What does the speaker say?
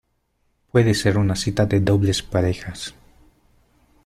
puede ser una cita de dobles parejas.